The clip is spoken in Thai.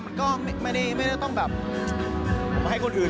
มันก็ไม่ได้ต้องแบบผมให้คนอื่น